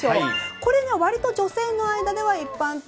これが割と女性の間では一般的。